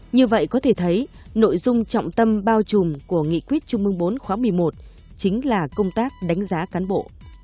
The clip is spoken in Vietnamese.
như vậy có thể thấy nội dung trọng tâm bao trùm của nghị quyết trung mương bốn khóa một mươi một chính là công tác đánh giá cán bộ